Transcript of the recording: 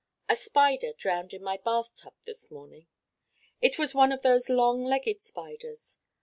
A Spider drowned in my bath tub this morning. It was one of those long legged spiders.